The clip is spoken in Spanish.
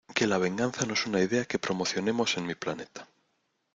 Que la venganza no es una idea que promocionemos en mi planeta.